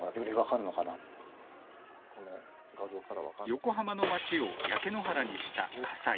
横浜の街を焼け野原にした火災。